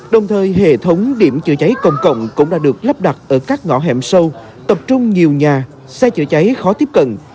đồng thời hệ thống điểm chữa cháy công cộng cũng đã được lắp đặt ở các ngõ hẻm sâu tập trung nhiều nhà xe chữa cháy khó tiếp cận